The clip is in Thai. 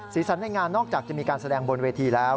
สันในงานนอกจากจะมีการแสดงบนเวทีแล้ว